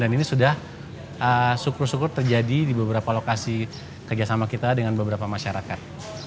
dan ini sudah syukur syukur terjadi di beberapa lokasi kerjasama kita dengan beberapa masyarakat